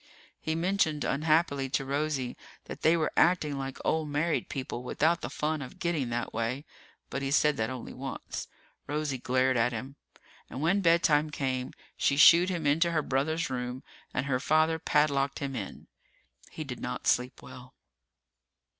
He mentioned unhappily to Rosie that they were acting like old married people without the fun of getting that way, but he said that only once. Rosie glared at him. And when bedtime came, she shooed him into her brother's room and her father padlocked him in. He did not sleep well.